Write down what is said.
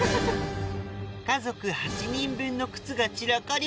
家族８人分の靴が散らかり